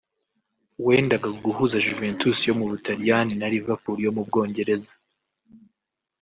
wendaga guhuza Juventus yo mu Butaliyani na Liverpool yo mu Bwongereza